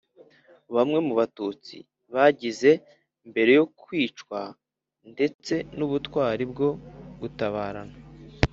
bamwe mu Batutsi bagize mbere yo kwicwa ndetse n ubutwari bwo gutabara